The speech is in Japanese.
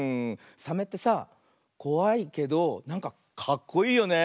サメってさこわいけどなんかかっこいいよね。